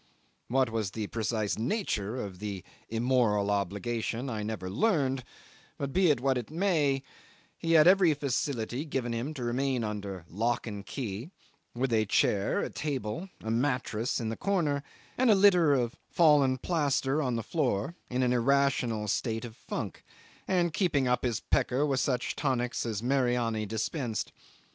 What was the precise nature of the immoral obligation I never learned, but be it what it may, he had every facility given him to remain under lock and key, with a chair, a table, a mattress in a corner, and a litter of fallen plaster on the floor, in an irrational state of funk, and keeping up his pecker with such tonics as Mariani dispensed.